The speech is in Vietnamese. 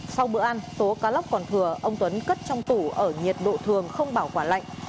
sau bữa ăn số cá lóc còn thừa ông tuấn cất trong tủ ở nhiệt độ thường không bảo quả lạnh